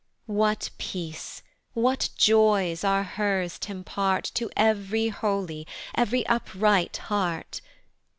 what peace, what joys are hers t' impart To ev'ry holy, ev'ry upright heart!